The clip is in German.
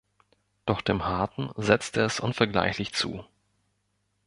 Doch dem Harten setze es unvergleichlich zu.